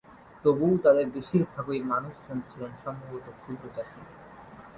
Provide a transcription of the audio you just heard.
তবুও তাদের বেশিরভাগই মানুষজন ছিলেন সম্ভবত ক্ষুদ্র চাষীই।